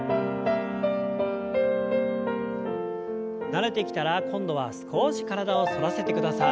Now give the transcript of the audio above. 慣れてきたら今度は少し体を反らせてください。